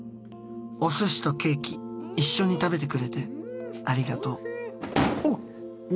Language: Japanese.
お寿司とケーキ一緒に食べてくれてありがとう」。